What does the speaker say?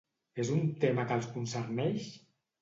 És un tema que els concerneix?